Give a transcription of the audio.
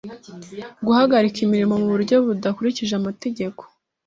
Guhagarika imirimo mu buryo budakurikije amategeko;